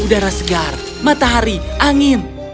udara segar matahari angin